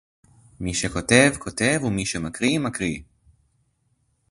מי שכותב - כותב, ומי שמקריא - מקריא